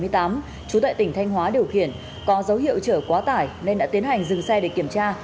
trú tại tỉnh thanh hóa điều khiển có dấu hiệu chở quá tải nên đã tiến hành dừng xe để kiểm tra